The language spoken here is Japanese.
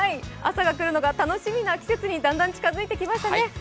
朝が来るのが楽しみな季節にだんだん近づいてきましたね。